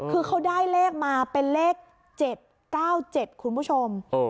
คือเขาได้เลขมาเป็นเลข๗๙๗คุณผู้ชม